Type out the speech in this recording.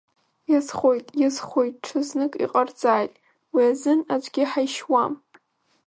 Иазхоит, иазхоит, ҽазнык иҟарҵааит, уи азын аӡәгьы ҳаишьуам!